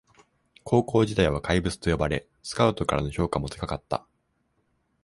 高校時代は怪物と呼ばれスカウトからの評価も高かった